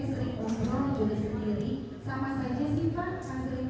quest travel ini ada beberapa paket